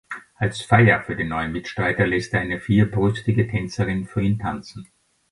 Als Feier für den neuen Mitstreiter lässt er eine vierbrüstige Tänzerin für ihn tanzen.